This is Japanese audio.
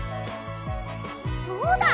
そうだ！